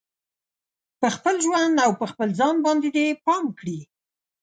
په خپل ژوند او په خپل ځان باندې دې پام کړي